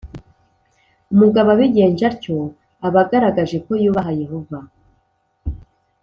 umugabo abigenje atyo aba agaragaje ko yubaha Yehova